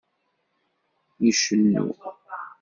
Icennu.